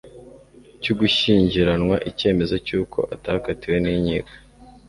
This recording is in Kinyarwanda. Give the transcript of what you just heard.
cy'ugushyingiranwa , Icyemezo cy'uko atakatiwe n'inkiko,